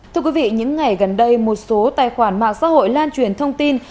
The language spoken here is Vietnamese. thưa quý vị những ngày gần đây một số tài khoản mạng xã hội lan truyền thông tin